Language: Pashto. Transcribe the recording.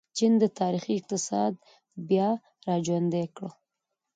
چین د تاریخي اقتصاد بیا راژوندی کړ.